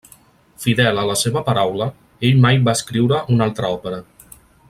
Fidel a la seva paraula, ell mai va escriure una altra òpera.